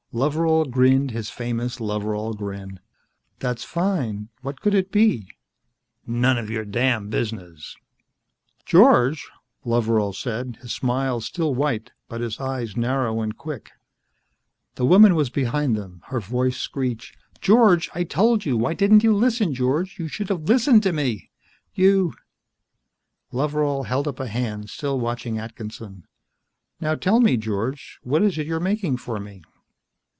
Loveral grinned his famous Loveral grin. "That's fine. What could it be?" "None of your damned business." "George," Loveral said, his smile still white but his eyes narrow and quick. The woman was behind them. Her voice screeched. "George, I told you. Why didn't you listen, George? You should have listened to me. You " Loveral held up a hand, still watching Atkinson. "Now tell me, George, what is it you're making for me?"